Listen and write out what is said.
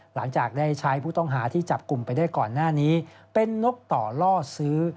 หลังจากได้ใช้ผู้ต้องหาที่จับกลุ่มไปได้ก่อนหน้านี้เป็นนกต่อล่อซื้อ